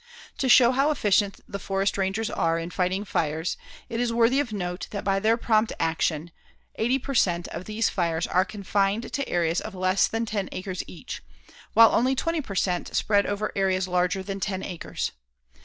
To show how efficient the forest rangers are in fighting fires, it is worthy of note that by their prompt actions, 80 per cent. of these fires are confined to areas of less than ten acres each, while only 20 per cent. spread over areas larger than ten acres.